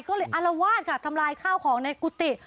ก็เลยอารวาสค่ะทำลายข้าวของในกุฏิ